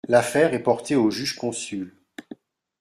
L'affaire est portée aux juges consuls.